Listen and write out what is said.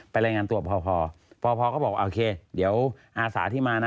รายงานตัวพอพอก็บอกโอเคเดี๋ยวอาสาที่มานะ